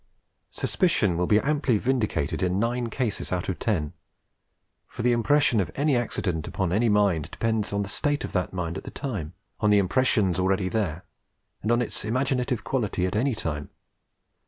Suspicion will be amply vindicated in nine cases out of ten; for the impression of any accident upon any mind depends on the state of that mind at the time, on the impressions already there, and on its imaginative quality at any time.